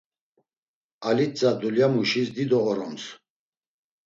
Alitza dulyamuşis dido oroms.